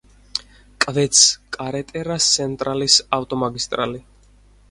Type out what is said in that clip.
კვეთს კარეტერა-სენტრალის ავტომაგისტრალი.